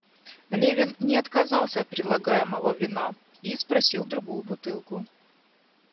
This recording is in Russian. Левин не отказался от предлагаемого вина и спросил другую бутылку.